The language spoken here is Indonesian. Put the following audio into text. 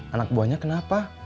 anak buahnya kenapa